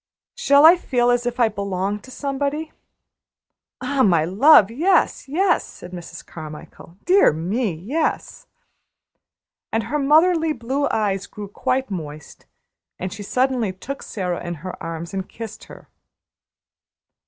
Shall I feel as if I belonged to somebody?" "Ah, my love, yes! yes!" said Mrs. Carmichael; "dear me, yes!" And her motherly blue eyes grew quite moist, and she suddenly took Sara in her arms and kissed her.